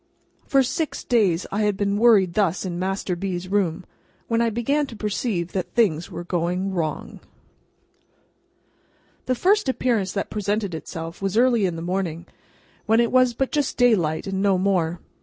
For six nights, I had been worried thus in Master B.'s room, when I began to perceive that things were going wrong. The first appearance that presented itself was early in the morning when it was but just daylight and no more.